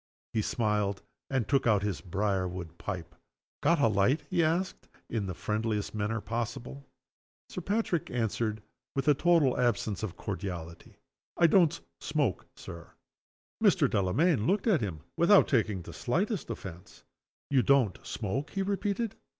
_" He smiled, and took out his brier wood pipe. "Got a light?" he asked, in the friendliest possible manner. Sir Patrick answered, with a total absence of cordiality: "I don't smoke, Sir." Mr. Delamayn looked at him, without taking the slightest offense: "You don't smoke!" he repeated.